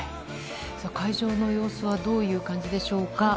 会場の様子はどういう感じでしょうか。